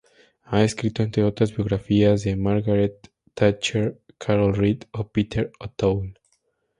Ha escrito, entre otras, biografías de Margaret Thatcher, Carol Reed o Peter O'Toole.